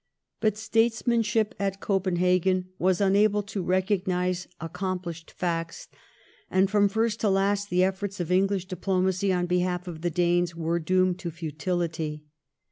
But statesmanship at Copenhagen was unable to recog* nise accomplished facts, and from first to last the e£forts of English diplomacy on behalf of the Danes were doomed to futility.